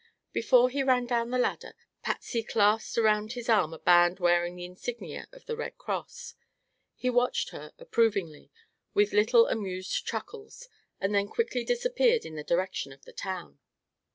Before he ran down the ladder Patsy clasped around his arm a band bearing the insignia of the Red Cross. He watched her approvingly, with little amused chuckles, and then quickly disappeared in the direction of the town.